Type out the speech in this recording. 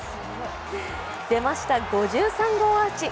出ました、５３号アーチ。